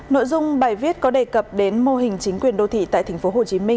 nội dung bài viết có đề cập đến mô hình chính quyền đô thị tại tp hcm